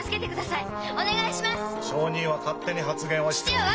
証人は勝手に発言をしては。